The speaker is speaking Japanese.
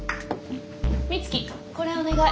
美月これお願い。